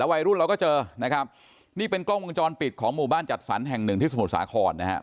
วัยรุ่นเราก็เจอนะครับนี่เป็นกล้องวงจรปิดของหมู่บ้านจัดสรรแห่งหนึ่งที่สมุทรสาครนะฮะ